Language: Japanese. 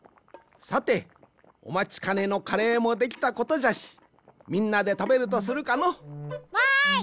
さておまちかねのカレーもできたことじゃしみんなでたべるとするかの。わい！